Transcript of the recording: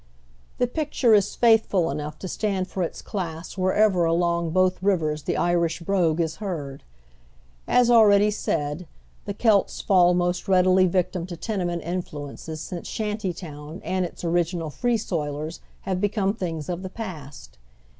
The picture is faithful enough to stand for its class wherever along both rivers the Irish brogue is heard. As already said, the Ceit falls most readily victim to tene ment influences since shanty town and its original free soilers have become things of the past.